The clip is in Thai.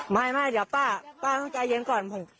ไม่เดี๋ยวป้าป้าต้องใจเย็นก่อน